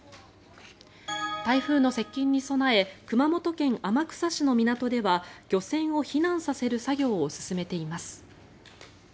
台風の接近に備え熊本県天草市の港では漁船を避難させる作業を進めています。